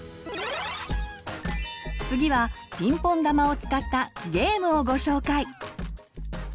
次はピンポン球を使ったゲームをご紹介！